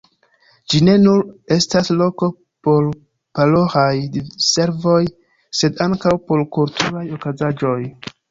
Ĝi ne nur estas loko por paroĥaj diservoj, sed ankaŭ por kulturaj okazaĵoj.